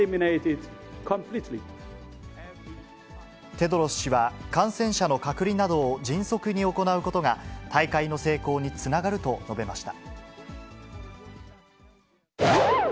テドロス氏は、感染者の隔離などを迅速に行うことが、大会の成功につながると述べました。